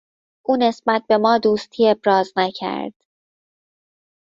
او نسبت به ما دوستی ابراز نکرد.